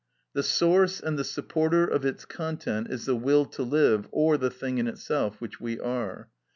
The source and the supporter of its content is the will to live or the thing in itself,—which we are.